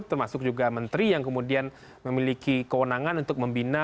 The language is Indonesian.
termasuk juga menteri yang kemudian memiliki kewenangan untuk membina